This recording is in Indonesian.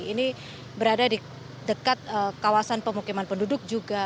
ini berada di dekat kawasan pemukiman penduduk juga